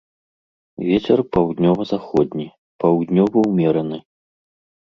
Вецер паўднёва-заходні, паўднёвы ўмераны.